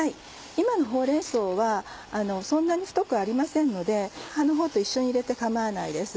今のほうれん草はそんなに太くありませんので葉のほうと一緒に入れて構わないです。